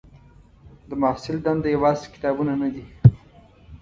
د محصل دنده یوازې کتابونه نه دي.